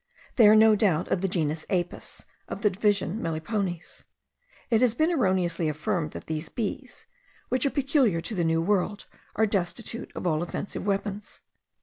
They are no doubt of the genus Apis, of the division melipones. It has been erroneously affirmed that these bees, which are peculiar to the New World, are destitute of all offensive weapons.